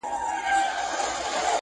په جرگه كي سوه خندا د موږكانو!.